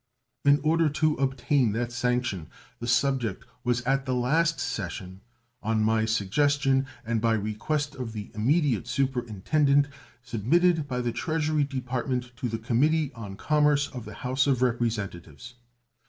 In order to obtain that sanction the subject was at the last session, on my suggestion and by request of the immediate superintendent, submitted by the Treasury Department to the Committee on Commerce of the House of Representatives.